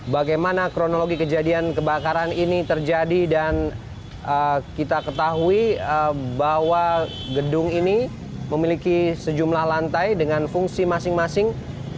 bagaimana kronologi kejadian kebakaran ini terjadi dan kita ketahui bahwa gedung ini memiliki sejumlah lantai dengan fungsi masing masing